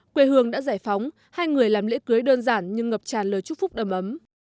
quê hương đã giải phóng hai người làm lễ cưới đơn giản nhưng ngập tràn lời chúc phúc đầm ấm